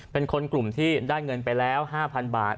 เป็นคนกลุ่มที่ได้เงินไปแล้ว๕๐๐๐บาท